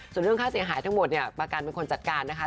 ส่วนเรื่องค่าเสียหายทั้งหมดเนี่ยประกันเป็นคนจัดการนะคะ